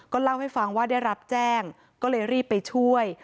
เล่าให้ฟังว่าได้รับแจ้งก็เลยรีบไปช่วย